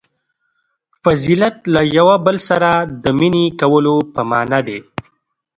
• فضیلت له یوه بل سره د مینې کولو په معنیٰ دی.